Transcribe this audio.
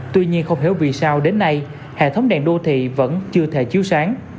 tuy nhiên không hiểu vì sao đến nay hệ thống đèn đô thị vẫn chưa thể chiếu sáng